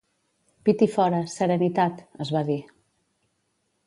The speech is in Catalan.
«Pit i fora, serenitat», es va dir.